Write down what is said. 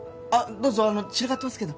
どうぞ散らかってますけど。